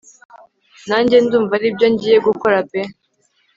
nanjye ndumva aribyo ngiye gukora pe